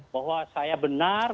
bahwa saya benar